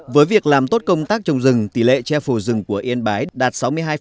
với việc làm tốt công tác trồng rừng tỷ lệ che phủ rừng của yên bái đạt sáu mươi hai